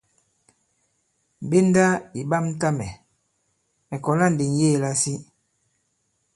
Mbenda ì ɓamta mɛ̀, mɛ̀ kɔ̀la ndi ŋ̀yeē lasi.